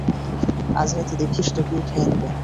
আজরাতে, দেখিস তোকেই খেয়ে নেবে!